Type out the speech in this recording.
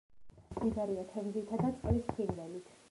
მდიდარია თევზითა და წყლის ფრინველით.